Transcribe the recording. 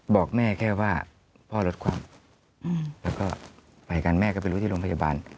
บอกแม่แค่ว่าพ่อลดความแล้วก็ไปกันแม่ก็ไปรู้ที่โรงพยาบาล